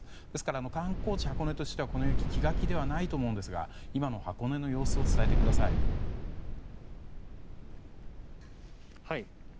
ですから観光地・箱根としてはこの雪、気が気ではないと思うんですが、今の箱根の様子を伝えてください。